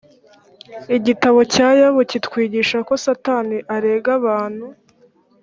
igitabo cya yobu kitwigisha ko satani arega abantu